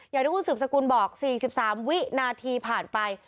อย่างที่คุณสืบสกุลบอก๔๓วินาทีผ่านไป